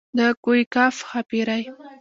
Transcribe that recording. د کوه قاف ښاپېرۍ.